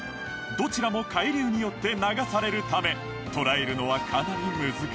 どちらも海流によって流されるため捉えるのはかなり難しい